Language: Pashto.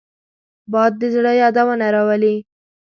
باد د زړه یادونه راولي